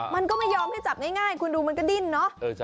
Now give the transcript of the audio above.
มันก็ไม่ยอมให้จับง่ายคุณดูมันก็ดิ้นเนอะ